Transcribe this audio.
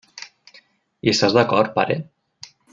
Hi estàs d'acord, pare?